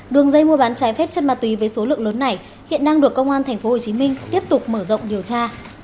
đường dây mua bán trái phép chất ma túy với số lượng lớn này hiện đang được công an tp hcm tiếp tục mở rộng điều tra